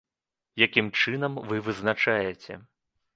Якім чынам вы вызначаеце?